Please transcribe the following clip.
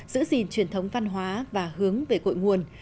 giữ gìn truyền thống văn hóa và hướng về cội nguồn